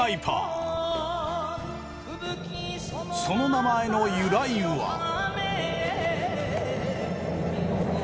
その名前の由来は。